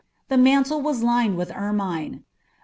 the mantle was lined with ermine.